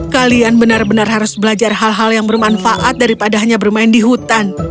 kalian benar benar harus belajar hal hal yang bermanfaat daripada hanya bermain di hutan